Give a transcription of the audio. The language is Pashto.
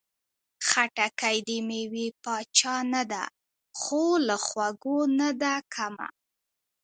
خټکی د مېوې پاچا نه ده، خو له خوږو نه ده کمه.